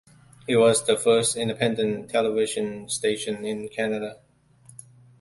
It was the first independent television station in Canada.